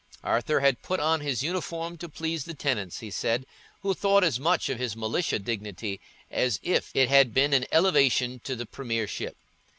Arthur had put on his uniform to please the tenants, he said, who thought as much of his militia dignity as if it had been an elevation to the premiership.